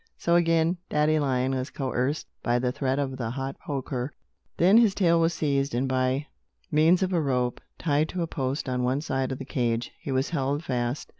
So again, Daddy Lion was coerced by the threat of the hot poker. Then his tail was seized, and, by means of a rope, tied to a post on one side of the cage, he was held fast.